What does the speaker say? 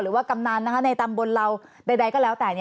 หรือว่ากำนันในตำบลเราใดก็แล้วแต่